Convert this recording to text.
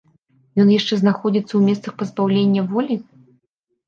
Ён яшчэ знаходзіцца ў месцах пазбаўлення волі?